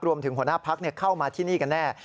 หัวหน้าพักเข้ามาที่นี่กันแน่